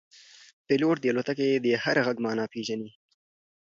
پیلوټ د الوتکې د هر غږ معنا پېژني.